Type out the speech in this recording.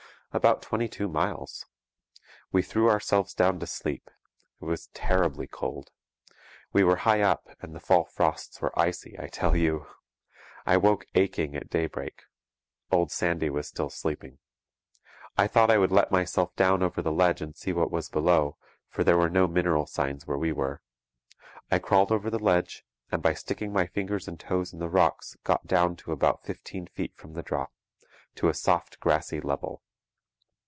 'About twenty two miles. We threw ourselves down to sleep. It was terribly cold. We were high up and the fall frosts were icy, I tell you! I woke aching at daybreak. Old Sandy was still sleeping. I thought I would let myself down over the ledge and see what was below, for there were no mineral signs where we were. I crawled over the ledge, and by sticking my fingers and toes in the rocks got down to about fifteen feet from the drop to a soft grassy level.